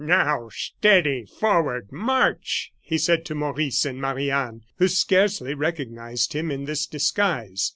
"Now, steady, forward, march!" he said to Maurice and Marie Anne, who scarcely recognized him in this disguise.